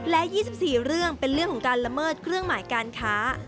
และ๒๔เรื่องเป็นเรื่องของการละเมิดเครื่องหมายการค้า